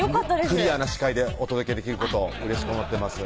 クリアな視界でお届けできることうれしく思ってます